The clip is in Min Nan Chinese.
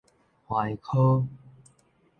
橫柯